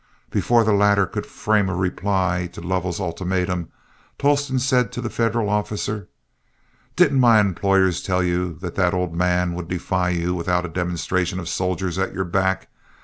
Before the latter could frame a reply to Lovell's ultimatum, Tolleston said to the federal officer: "Didn't my employers tell you that the old would defy you without a demonstration of soldiers at your back?